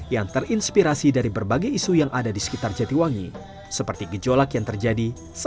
yang terinspirasi dari berbagai isu yang ada di sekitarnya